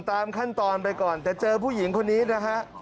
ตามขั้นตอนไปก่อนแต่เจอผู้หญิงคนนี้นะฮะ